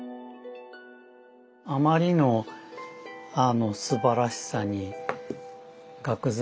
あまりのすばらしさにがく然として。